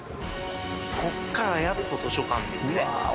こっからやっと図書館ですねうわー